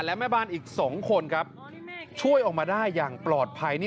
และแม่บ้านอีกสองคนช่วยออกมาได้อย่างปลอดภัย